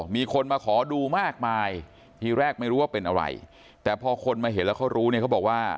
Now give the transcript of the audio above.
มีคนมาขอดูมากมายทีแรกไม่รู้ว่าเป็นอะไรแต่พอคนมาเห็นแล้วเขารู้เนี่ยเขาบอกว่า